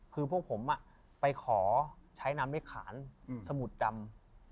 คือพวกผมไปขอใช้น้ำด้วยขานสมุดดำ